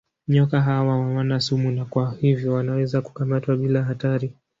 Nyoka hawa hawana sumu na kwa hivyo wanaweza kukamatwa bila hatari.